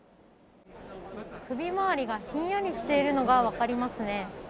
首まわりがひんやりしているのが分かりますね。